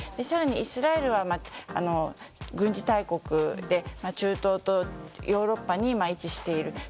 更にイスラエルは軍事大国で中東とヨーロッパに位置している。